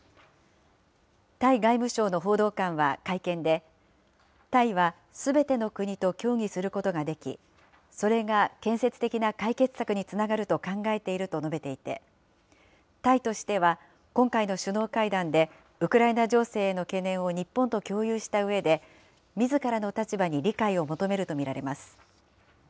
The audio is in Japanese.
タイ外務省の報道官は会見で、タイはすべての国と協議することができ、それが建設的な解決策につながると考えていると述べていて、タイとしては、今回の首脳会談でウクライナ情勢への懸念を日本と共有したうえで、みずからの立場に理解を求めると見られます。